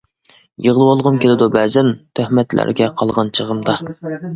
يىغلىۋالغۇم كېلىدۇ بەزەن، تۆھمەتلەرگە قالغان چېغىمدا.